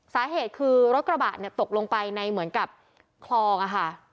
สาเหตุคือรถกระบะเนี่ยตกลงไปในเหมือนกับคลองอะค่ะ